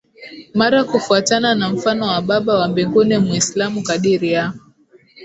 mara kufuatana na mfano wa Baba wa Mbinguni Mwislamu kadiri ya